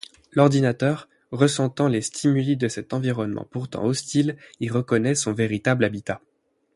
L'ordinateur, ressentant les stimuli de cet environnement pourtant hostile, y reconnaît son véritable habitat.